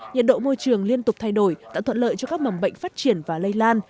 nhiệt độ môi trường liên tục thay đổi tạo thuận lợi cho các mầm bệnh phát triển và lây lan